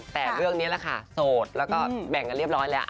แต่เรื่องนี้แหละค่ะโสดแล้วก็แบ่งกันเรียบร้อยแล้ว